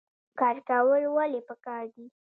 کار کول ولې پکار دي؟